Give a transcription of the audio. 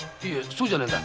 そうじゃねえんだ。